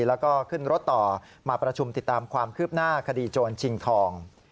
แล้วก็ขึ้นรถต่อมาประชุมติดตามความคืบหน้าคดีโจรชิงทอง